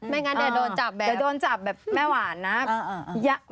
ไม่งั้นจะโดนจับแบบแม่หวานนะ